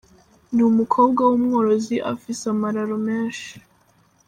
Ni umukobwa w'umworozi afise amararo menshi.